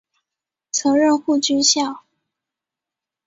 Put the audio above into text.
曾任护军校。